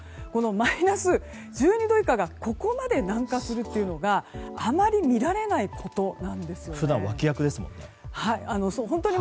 マイナス１２度以下がここまで南下するというのがあまり見られないんです。